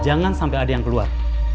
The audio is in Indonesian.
jangan sampai ada yang keluar